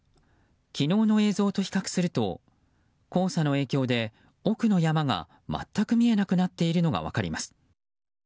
昨日の映像と比較すると黄砂の影響で奥の山が全く見えなくなっているのが分かります。